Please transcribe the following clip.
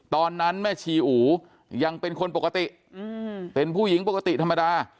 ตอนนั้นแม่ชีอูยังเป็นคนปกติเป็นผู้หญิงปกติธรรมดา